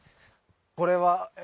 これはえ？